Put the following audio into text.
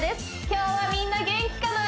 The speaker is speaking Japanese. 今日はみんな元気かな！？